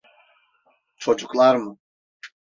Çocuklar mı?